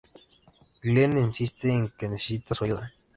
Glenn insiste en que necesita su ayuda.